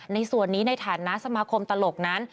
ในส่วนนี้ในฐานะสมาคมตลกนั้น